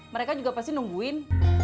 mereka juga pasti nungguin